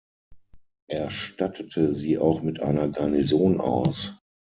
Er stattete sie auch mit einer Garnison aus.